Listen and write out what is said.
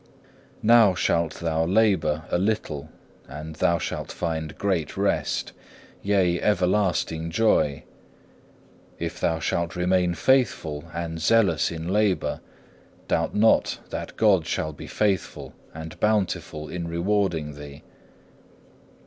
Now shalt thou labour a little, and thou shalt find great rest, yea everlasting joy. If thou shalt remain faithful and zealous in labour, doubt not that God shall be faithful and bountiful in rewarding thee.